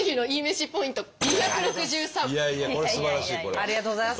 ありがとうございます。